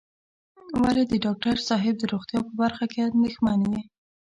ولې د ډاکټر صاحب د روغتيا په برخه کې اندېښمن یې.